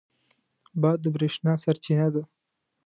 باد د برېښنا سرچینه ده.